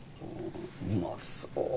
うまそう。